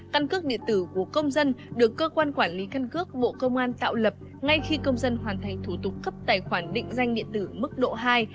căn cước điện tử của công dân được cơ quan quản lý căn cước bộ công an tạo lập ngay khi công dân hoàn thành thủ tục cấp tài khoản định danh điện tử mức độ hai